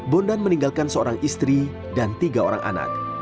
bondan meninggalkan seorang istri dan tiga orang anak